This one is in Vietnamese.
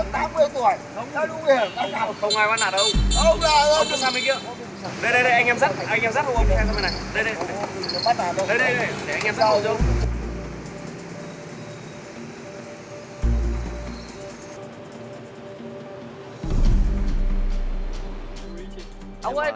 đây đây để anh em dắt hôn cho hôn